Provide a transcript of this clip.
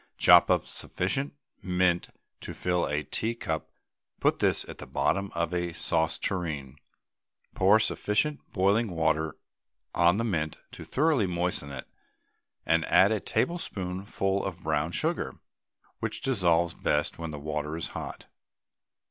Chop up sufficient mint to fill a teacup, put this at the bottom of a sauce tureen, pour sufficient boiling water on the mint to thoroughly moisten it, and add a tablespoonful of brown sugar, which dissolves best when the water is hot.